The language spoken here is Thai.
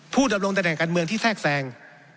ดำรงตำแหน่งการเมืองที่แทรกแทรง